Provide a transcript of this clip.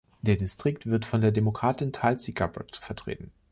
Der Distrikt wird von der Demokratin Tulsi Gabbard vertreten.